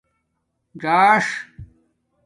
ژاݽ